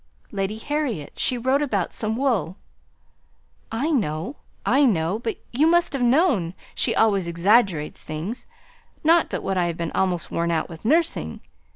"Lady Harriet. She wrote about some wool " "I know, I know. But you might have known she always exaggerates things. Not but what I have been almost worn out with nursing.